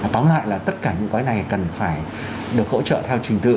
tóm lại là tất cả những gói này cần phải được hỗ trợ theo trình tự